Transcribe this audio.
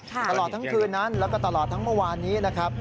ตลอดทั้งคืนนั้นแล้วก็ตลอดทั้งเมื่อวานนี้นะครับ